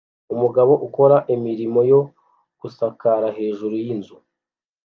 Umugabo ukora imirimo yo gusakara hejuru yinzu